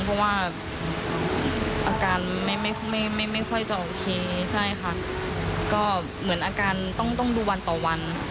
เพราะว่าอาการไม่ค่อยจะโอเคใช่ค่ะก็เหมือนอาการต้องดูวันต่อวัน